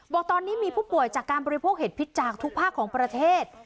บอกตอนนี้มีผู้ป่วยจากการบริโภคเห็ดพิษจากทุกภาคของประเทศ